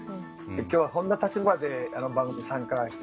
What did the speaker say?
今日はこんな立場で番組に参加していきます。